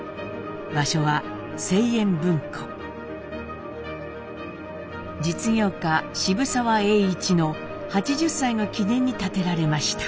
場所は実業家渋沢栄一の８０歳の記念に建てられました。